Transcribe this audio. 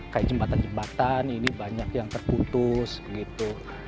kayak jembatan jembatan ini banyak yang terputus begitu